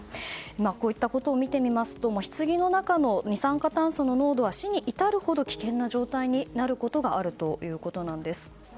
こういったことを見てみますと棺の中の二酸化炭素の濃度は死に至るほど危険な状態になることがあるということなんです。